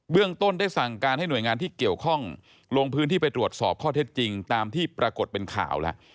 เรื่องต้นได้สั่งการให้หน่วยงานที่เกี่ยวข้องลงพื้นที่ไปตรวจสอบข้อเท็จจริงตามที่ปรากฏเป็นข่าวแล้ว